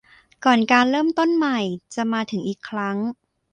ก่อนการเริ่มต้นใหม่จะมาถึงอีกครั้ง